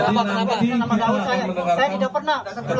saya tidak pernah melakukan hal itu